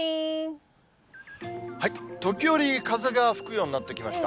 時折風が吹くようになってきました。